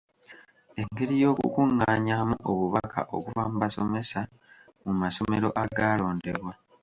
Engeri y’okukungaanyaamu obubaka okuva mu basomesa mu masomero agaalondebwa.